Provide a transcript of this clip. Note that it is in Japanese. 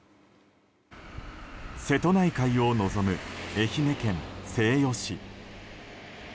瀬戸内海を望む愛媛県西予市。